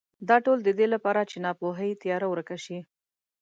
دا ټول د دې لپاره چې ناپوهۍ تیاره ورکه شي.